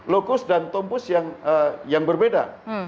lokus dan tempus yang berbeda